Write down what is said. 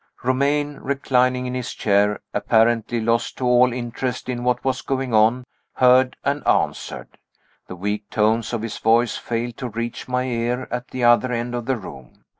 Romayne, reclining in his chair, apparently lost to all interest in what was going on, heard and answered. The weak tones of his voice failed to reach my ear at the other end of the room.